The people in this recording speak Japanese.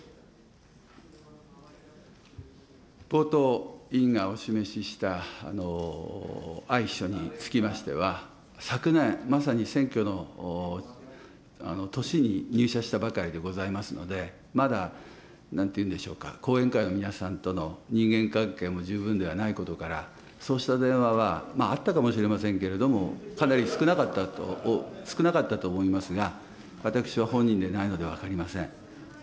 後藤委員がお示ししたＩ秘書につきましては、昨年、まさに選挙の年に入社したばかりでございますので、まだ、なんていうんでしょうか、後援会の皆さんとの人間関係も十分ではないことから、そうした電話は、あったかもしれませんけれども、かなり少なかったと、少なかったと思いますが、後藤祐一君。